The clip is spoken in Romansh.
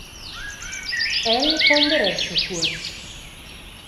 El ponderescha cuort.